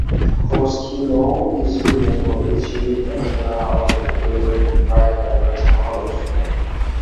Koskinou is famous for its unique traditional houses decorated with bright, vibrant colours.